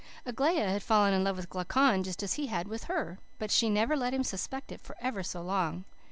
"Aglaia had fallen in love with Glaucon just as he had with her. But she never let him suspect it for ever so long.